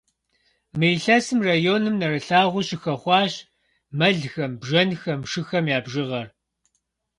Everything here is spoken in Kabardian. Мы илъэсым районым нэрылъагъуу щыхэхъуащ мэлхэм, бжэнхэм, шыхэм я бжыгъэр.